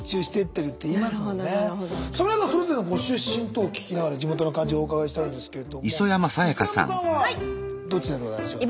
それではまあそれぞれのご出身等聞きながら地元の感じをお伺いしたいんですけれども磯山さんはどちらでございましょう。